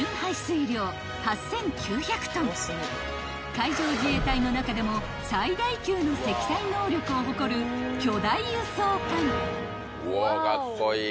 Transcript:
［海上自衛隊の中でも最大級の積載能力を誇る巨大輸送艦］